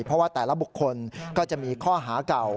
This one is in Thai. เพราะว่าแต่ละบุคคลก็จะมีข้อหาเก่า